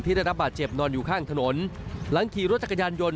ได้รับบาดเจ็บนอนอยู่ข้างถนนหลังขี่รถจักรยานยนต